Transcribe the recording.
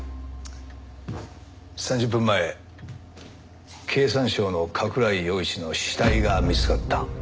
３０分前経産省の加倉井陽一の死体が見つかった。